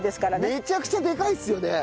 めちゃくちゃでかいっすよね。